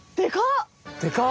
でか！